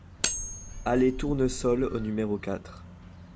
Allée Tournesol au numéro quatre